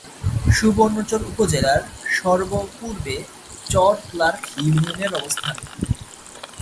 সুবর্ণচর উপজেলার সর্ব-পূর্বে চর ক্লার্ক ইউনিয়নের অবস্থান।